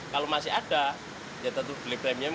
kalau masih ada ya tentu beli premium